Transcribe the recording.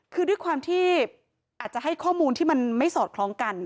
คือด้วยความที่อาจจะให้ข้อมูลที่มันไม่สอดคล้องกัน